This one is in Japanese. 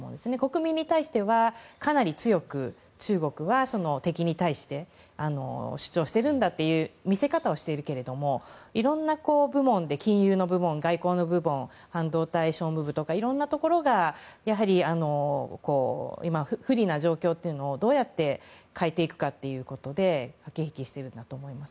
国民に対してはかなり強く中国は敵に対して主張してるんだという見せ方をしているけれどもいろんな部門で金融の部門、外交の部門半導体、商務部とかいろんなところがやはり、不利な状況というのをどうやって変えていくかということで駆け引きしていると思います。